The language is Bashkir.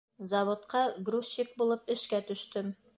Заводҡа грузчик булып эшкә төштөм.